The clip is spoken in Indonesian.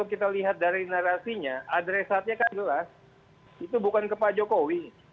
kita lihat dari narasinya adresatnya kan jelas itu bukan kepada jokowi